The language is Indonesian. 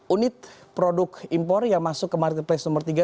dua puluh tujuh unit produk impor yang masuk ke marketplace nomor tiga